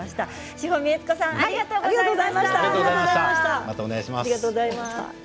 志穂美悦子さんありがとうございました。